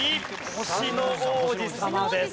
『星の王子さま』です。